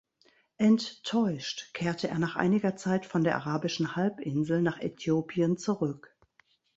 Enttäuscht kehrte er nach einiger Zeit von der arabischen Halbinsel nach Äthiopien zurück.